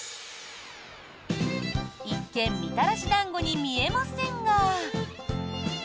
一見みたらし団子に見えませんが。